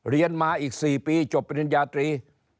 เรียนมาอีก๔ปีจบปริญญาตรี